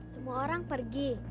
semua orang pergi